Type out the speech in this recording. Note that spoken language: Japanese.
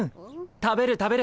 食べる食べる。